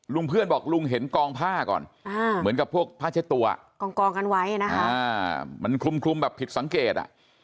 เพื่อนบอกลุงเห็นกองผ้าก่อนเหมือนกับพวกผ้าเช็ดตัวกองกันไว้นะคะมันคลุมแบบผิดสังเกต